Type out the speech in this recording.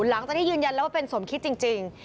หลังจากที่ยืนยันแล้วว่าเป็นสมคิดจริง